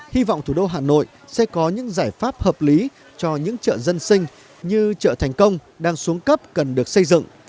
hy vọng thủ đô hà nội sẽ có những giải pháp hợp lý cho những chợ dân sinh như chợ thành công đang xuống cấp cần được xây dựng